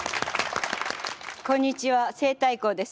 こんにちは西太后です。